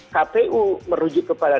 kpu merujuk kepada